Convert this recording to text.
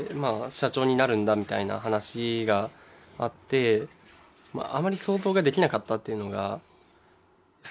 社長になるんだみたいな話があってあまり想像ができなかったっていうのが最初ですかね。